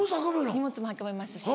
荷物も運びますし。